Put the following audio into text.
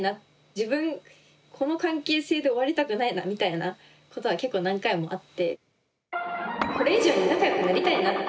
自分この関係性で終わりたくないなみたいなことは結構何回もあって。